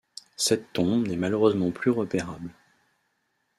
Cette tombe n'est malheureusement plus repérable.